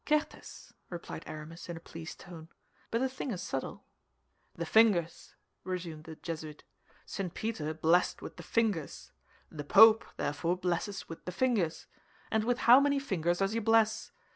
"Certes," replied Aramis, in a pleased tone, "but the thing is subtle." "The fingers," resumed the Jesuit, "St. Peter blessed with the fingers. The Pope, therefore blesses with the fingers. And with how many fingers does he bless?